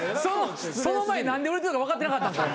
その前に何で売れてんのか分かってなかったんか？